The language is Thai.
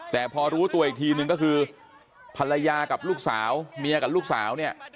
แต่พอรู้ตัวอีกทีนึงก็คือภรรยากับลูกสาวเมียกับลูกสาวเนี่ย